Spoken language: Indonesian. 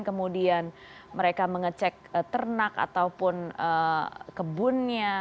kemudian mereka mengecek ternak ataupun kebunnya